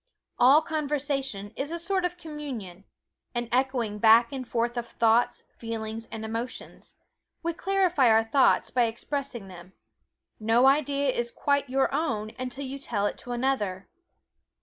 All conversation is a sort of communion an echoing back and forth of thoughts, feelings and emotions. We clarify our thoughts by expressing them no idea is quite your own until you tell it to another.